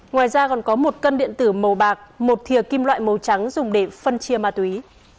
ngoài ra còn có một cân điện tử màu bạc một thia kim loại màu trắng dùng để phân chia ma túy